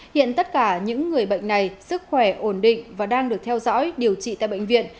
hiện tất cả những người bệnh này sức khỏe ổn định và đang được theo dõi điều trị tại bệnh viện